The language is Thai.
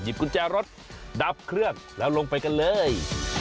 กุญแจรถดับเครื่องแล้วลงไปกันเลย